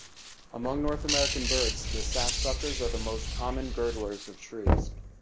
Among North American birds, the sapsuckers are the most common girdlers of trees.